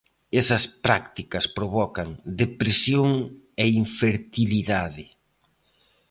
Esas prácticas provocan depresión e infertilidade.